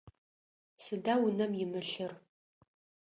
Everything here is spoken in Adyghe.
Сыда унэм имылъыр?